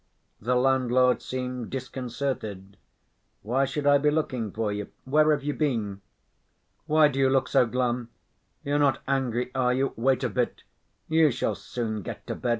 The landlord seemed disconcerted. "Why should I be looking for you? Where have you been?" "Why do you look so glum? You're not angry, are you? Wait a bit, you shall soon get to bed....